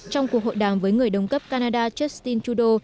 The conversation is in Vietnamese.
trong cuộc hội đàm với người đồng cấp canada justin trudeau